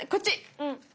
うん。